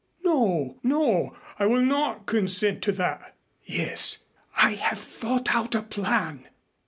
"No, no; I will not consent to that." "Yes, I have thought out a plan."